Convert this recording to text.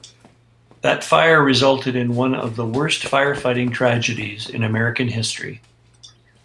That fire resulted in one of the worst firefighting tragedies in American history.